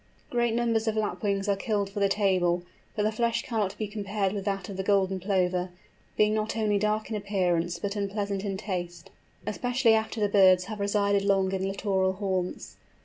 Great numbers of Lapwings are killed for the table, but the flesh cannot be compared with that of the Golden Plover, being not only dark in appearance, but unpleasant in taste, especially after the birds have resided long in littoral haunts.